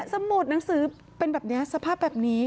สมุดหนังสือเป็นแบบนี้สภาพแบบนี้